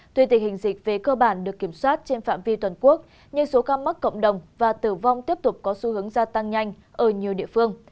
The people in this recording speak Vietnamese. tuy tình hình dịch về cơ bản được kiểm soát trên phạm vi toàn quốc nhưng số ca mắc cộng đồng và tử vong tiếp tục có xu hướng gia tăng nhanh ở nhiều địa phương